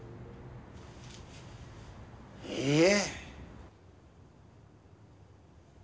いいえ。